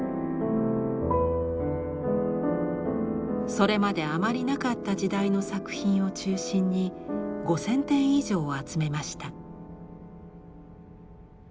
それまであまりなかった時代の作品を中心に５，０００点以上を集めました。